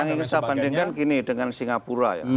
nah yang bisa dibandingkan gini dengan singapura